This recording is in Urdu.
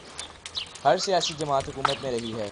ہر سیاسی جماعت حکومت میں رہی ہے۔